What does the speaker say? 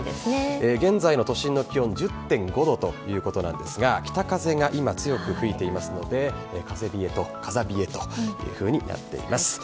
現在の都心の気温１０．５度ということなんですが北風が今強く吹いていますので風冷えというふうになっています。